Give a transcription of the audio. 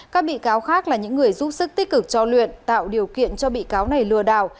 các bị cáo khác là những người giúp sức tích cực cho luyện tạo điều kiện cho bị cáo này lừa đảo